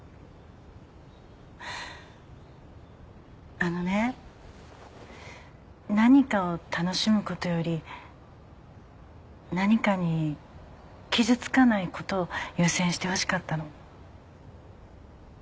あのね何かを楽しむことより何かに傷つかないことを優先してほしかったの。